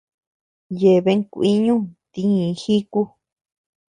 Yeaben kiuñú tï jiku.